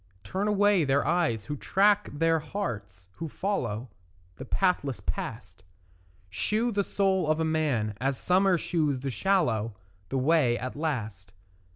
Turn away their eyes who track, their hearts who follow, The pathless past; Shew the soul of man, as summer shews the swallow, The way at last.